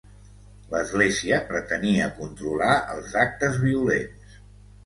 L’església pretenia controlar els actes violents.